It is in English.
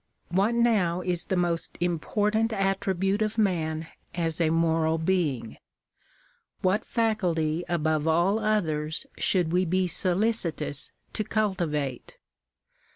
What now is the most important attribute of man as a moral being ? What faculty above all others should we be solicitous to cultivate